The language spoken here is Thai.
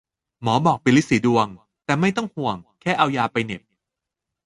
หมอบอกเป็นรีดสีดวง แต่ไม่ต้องห่วง แค่เอายาไปเหน็บ